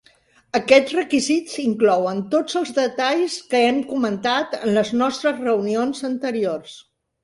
Aquests requisits inclouen tots els detalls que hem comentat en les nostres reunions anteriors.